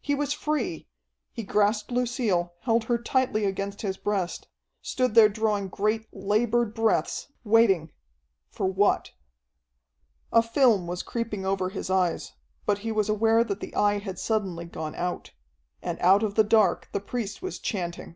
He was free. He grasped Lucille, held her tightly against his breast, stood there drawing great, labored breaths, waiting for what? A film was creeping over his eyes, but he was aware that the Eye had suddenly gone out. And out of the dark the priest was chanting.